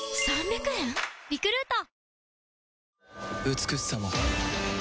美しさも